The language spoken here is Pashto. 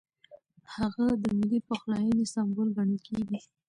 هغه د ملي پخلاینې سمبول ګڼل کېږي.